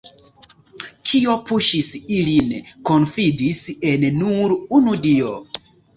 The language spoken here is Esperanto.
Kio puŝis ilin konfidis en nur unu Dio?